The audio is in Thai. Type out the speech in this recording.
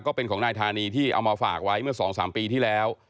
ก็เป็นของนายธานีที่เอามาฝากไว้เมื่อ๒๓ปีที่แล้ว